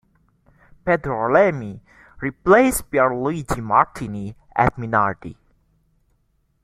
Pedro Lamy replaced Pierluigi Martini at Minardi.